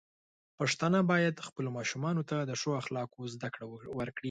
پښتانه بايد خپلو ماشومانو ته د ښو اخلاقو زده کړه ورکړي.